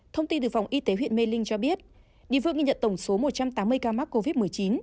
thông tin từ phòng y tế huyện mê linh cho biết địa phương ghi nhận tổng số một trăm tám mươi ca mắc covid một mươi chín